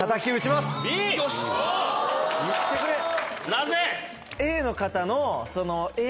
なぜ？